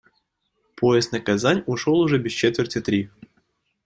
Поезд на Казань ушёл уже без четверти три.